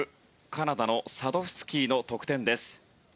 カナダのサドフスキーの得点です。